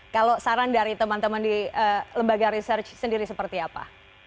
kalau saran dari teman teman di lembaga research sendiri seperti apa